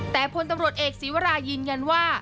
แต่พลตำรวจเอกศีวรายืนยันว่า